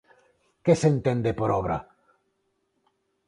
Que se entende por obra?